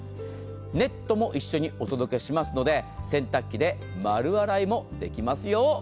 ネットも一緒にお届けしますので洗濯機で丸洗いもできますよ。